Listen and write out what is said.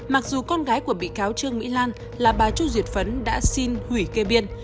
mặc dù con gái của bị cáo trương mỹ lan là bà chu duyệt phấn đã xin hủy kê biên